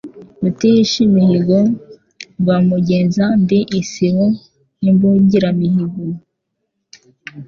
Rutihishimihigo rwa Mugenza ndi isibo y,imbungiramihigo